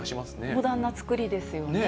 モダンな造りですよね。